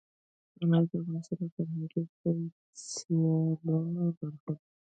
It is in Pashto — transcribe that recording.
انار د افغانستان د فرهنګي فستیوالونو برخه ده.